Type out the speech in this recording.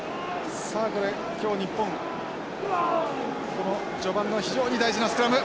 この序盤の非常に大事なスクラム。